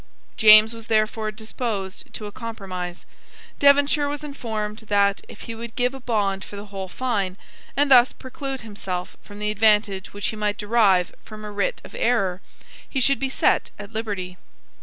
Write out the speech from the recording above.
James was therefore disposed to a compromise. Devonshire was informed that, if he would give a bond for the whole fine, and thus preclude himself from the advantage which he might derive from a writ of error, he should be set at liberty.